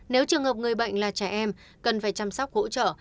nếu trường hợp người bệnh là trẻ em cần phải chăm sóc hỗ trợ